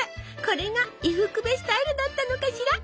これが伊福部スタイルだったのかしら。